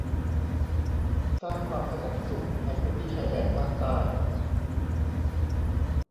สร้างความสงบสุข ในพื้นที่ชายแดนภาคใต้